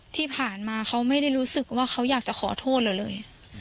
ที่ผ่านมาเขาไม่ได้รู้สึกว่าเขาอยากจะขอโทษเราเลย